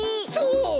そう！